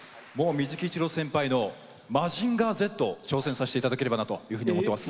一郎先輩の「マジンガーＺ」を挑戦させて頂ければなというふうに思ってます。